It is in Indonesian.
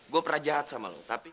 gue pernah jahat sama lo tapi